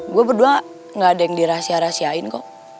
gue berdua enggak ada yang dirahsiah rahsiahin kok